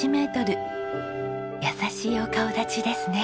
優しいお顔立ちですね。